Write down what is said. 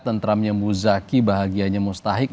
tentramnya muzaki bahagianya mustahik